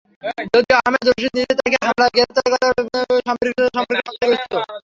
যদিও আহমেদ রশীদ নিজেই তাঁকে হামলায় গ্রেপ্তার করা ব্যক্তির সম্পৃক্ততা সম্পর্কে সংশয়গ্রস্ত।